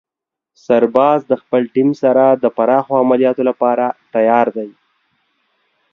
سرباز د خپلې ټیم سره د پراخو عملیاتو لپاره تیار دی.